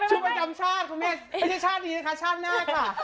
ประจำชาติคุณแม่ไม่ใช่ชาตินี้นะคะชาติหน้าค่ะ